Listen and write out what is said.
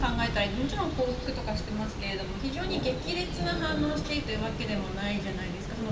もちろん報復とかしてますが非常に激烈な反応をしているというわけでもないじゃないですか。